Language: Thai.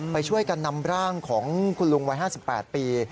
ไปช่วยกันนำร่างของคุณลุงวัย๕๘ปี